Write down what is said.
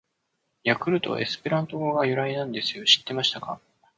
「ヤクルト」はエスペラント語が由来なんですよ！知ってましたか！！